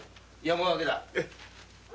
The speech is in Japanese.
山分けだ。